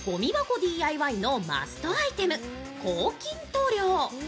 ＤＩＹのマストアイテム、抗菌塗料。